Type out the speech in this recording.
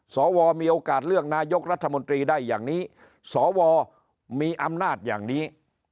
สวมีโอกาสเลือกนายกรัฐมนตรีได้อย่างนี้สวมีอำนาจอย่างนี้